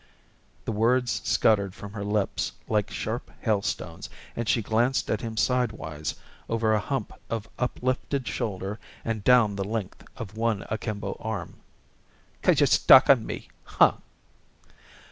The words scuttered from her lips like sharp hailstones and she glanced at him sidewise over a hump of uplifted shoulder and down the length of one akimbo arm. "'Cause you're stuck on me! Huh!"